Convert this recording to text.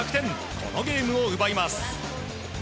このゲームを奪います。